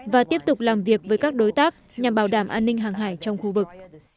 và tiếp tục làm việc với các đối tác nhằm bảo đảm an ninh hàng hải trong khu vực